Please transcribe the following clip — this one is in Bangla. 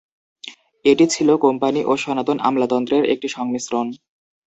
এটি ছিল কোম্পানি ও সনাতন আমলাতন্ত্রের একটি সংমিশ্রণ।